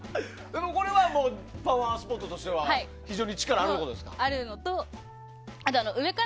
でも、これはパワースポットとしては非常に力があるんですか。